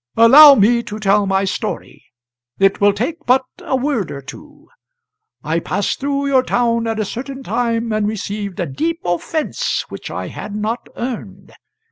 ] Allow me to tell my story it will take but a word or two. I passed through your town at a certain time, and received a deep offence which I had not earned.